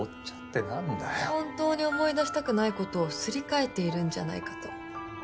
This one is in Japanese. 本当に思い出したくない事をすり替えているんじゃないかと。